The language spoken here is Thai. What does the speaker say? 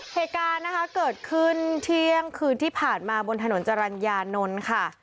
เหตุการณ์นะคะเกิดขึ้นเที่ยงคืนที่ผ่านมาบนถนนจรรยานนท์ค่ะ